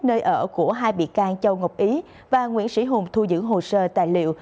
nơi ở của hai bị can châu ngọc ý và nguyễn sĩ hùng thu giữ hồ sơ tài liệu